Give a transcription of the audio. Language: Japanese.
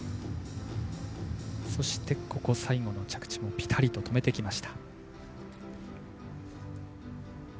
そして、最後の着地もピタリと止めてきました。